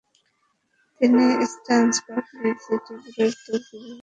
তিনি eastern publicity ব্যুরোর তুর্কি বিভাগের চেয়ারপার্সন ছিলেন।